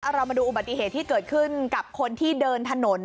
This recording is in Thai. เรามาดูอุบัติเหตุที่เกิดขึ้นกับคนที่เดินถนน